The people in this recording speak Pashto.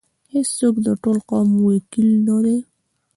هیڅوک د ټول قوم وکیل نه دی.